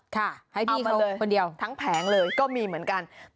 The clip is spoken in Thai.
ค่ะให้พี่เขาเป็นเดียวทั้งแผงเลยก็มีเหมือนกันเอามาเลย